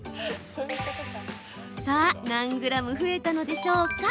さあ、何ｇ増えたのでしょうか？